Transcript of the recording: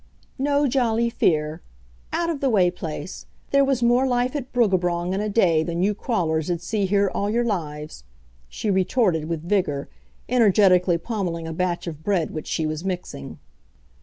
"No jolly fear. Out of the way place! There was more life at Bruggabrong in a day than you crawlers 'ud see here all yer lives," she retorted with vigour, energetically pommelling a batch of bread which she was mixing.